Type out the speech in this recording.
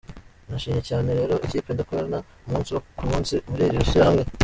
Nashima cyane rero ikipe dukorana umunsi ku munsi muri iri shyirahamwe.